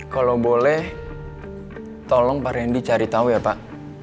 kalau boleh tolong pak randy cari tahu ya pak